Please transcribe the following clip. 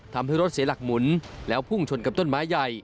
ทำให้รถเสียหลักหมุนแล้วพุ่งชนกับต้นไม้ใหญ่